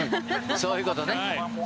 そういうことね。